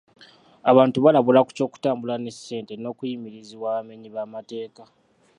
Abantu baalabulwa ku ky'okutambula ne ssente n'okuyimirizibwa abamenyi b'amateeka.